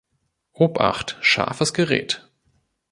Obacht, scharfes Gerät!